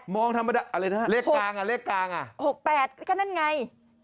๖๘มองธรรมดาอะไรนะเลขกลางอ่ะ๖๘แล้วก็นั่นไง๗๖๘